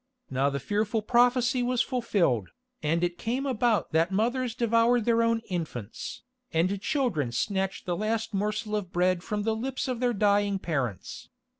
Now the fearful prophecy was fulfilled, and it came about that mothers devoured their own infants, and children snatched the last morsel of bread from the lips of their dying parents.